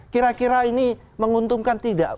kira kira ini menguntungkan tidak